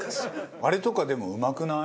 あれとかでもうまくない？